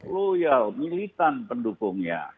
loyal militan pendukungnya